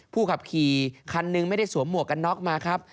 ขับขี่คันหนึ่งไม่ได้สวมหมวกกันน็อกมาครับ